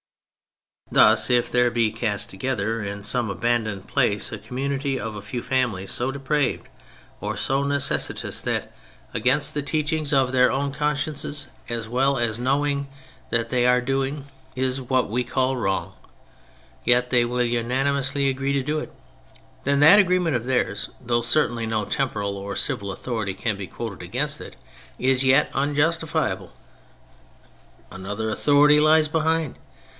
'* Thus if there be cast together in some aban doned place a community of a few families so depraved or so necessitous that, against the 18 THE FRENCH REVOLUTION teachings of their own consciences, and well knowing that what they are doing is what we call wrong, yet they will unanimously agree to do it, then that agreement of theirs, though certainly no temporal or civil authority can be quoted against it, is yet unjustifiable. Another authority lies behind.